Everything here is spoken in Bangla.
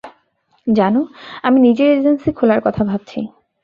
জানো, আমি নিজের এজেন্সি খোলার কথা ভাবছি।